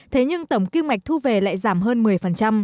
thế nhưng tổng kinh mạch thu về lại giảm hơn một mươi